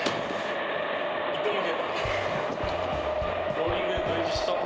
一本負け。